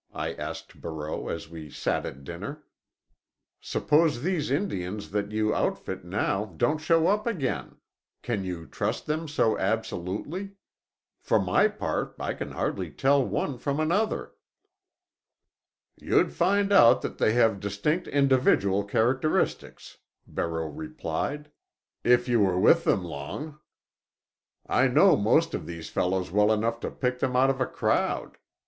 I asked Barreau, as we sat at dinner. "Suppose these Indians that you outfit now don't show up again? Can you trust them so absolutely? For my part I can hardly tell one from another." "You'd find out that they have distinct individual characteristics," Barreau replied, "if you were with them long. I know most of these fellows well enough to pick them out of a crowd.